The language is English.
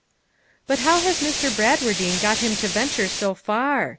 'But how has Mr. Bradwardine got him to venture so far?'